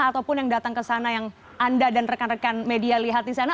ataupun yang datang ke sana yang anda dan rekan rekan media lihat di sana